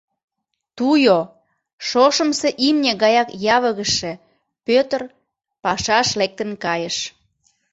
Туйо, шошымсо имне гаяк явыгыше Пӧтыр пашаш лектын кайыш.